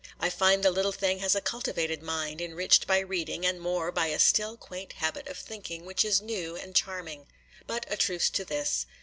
I find the little thing has a cultivated mind, enriched by reading, and more by a still, quaint habit of thinking, which is new and charming. But a truce to this.